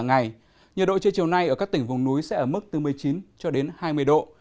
trong ngày hôm nay nhiệt độ trưa chiều nay ở các tỉnh vùng núi sẽ ở mức từ một mươi chín cho đến hai mươi độ